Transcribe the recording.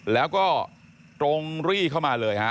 แล้วก็ตรงรีเข้ามาเลยฮะ